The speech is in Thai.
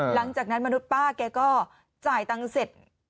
หลังจากนั้นมนุษย์ป้าแกก็จ่ายตังเสร็จ